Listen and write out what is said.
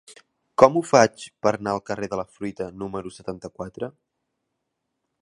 Com ho faig per anar al carrer de la Fruita número setanta-quatre?